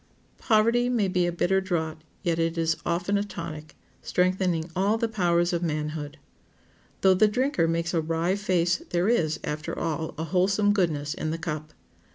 Poverty may be a bitter draught, yet it often is a tonic, strengthening all the powers of manhood. Though the drinker makes a wry face there is, after all, a wholesome goodness in the cup.